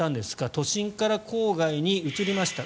都心から郊外に移りました。